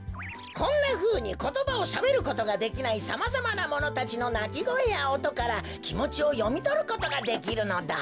こんなふうにことばをしゃべることができないさまざまなものたちのなきごえやおとからきもちをよみとることができるのだ。